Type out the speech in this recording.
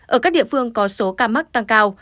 ở các địa phương có số ca mắc tăng cao